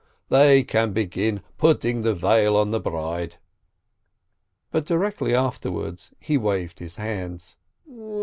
They can begin putting the veil on the bride." But directly afterwards he waved his hands.